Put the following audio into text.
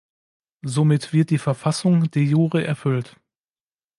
Somit wird die Verfassung "de jure" erfüllt.